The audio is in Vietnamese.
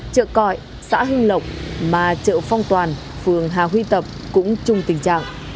chợ cội xã hưng lộc mà chợ phong toàn phường hà huy tập cũng chung tình trạng